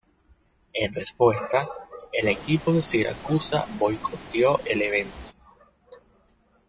En respuesta, el equipo de Siracusa boicoteó el evento.